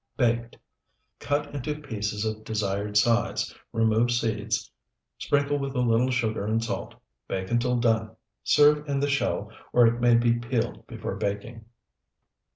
Baked: Cut into pieces of desired size, remove seeds, sprinkle with a little sugar and salt; bake until done. Serve in the shell, or it may be peeled before baking.